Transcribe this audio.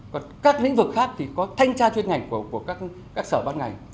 còn các lĩnh vực khác thì có thanh tra chuyên ngành của các sở ban ngành